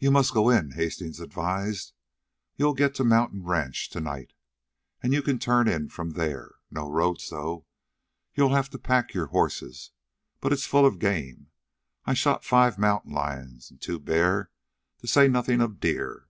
"You must go in," Hastings advised. "You'll get to Mountain Ranch to night. And you can turn in from there. No roads, though. You'll have to pack your horses. But it's full of game. I shot five mountain lions and two bear, to say nothing of deer.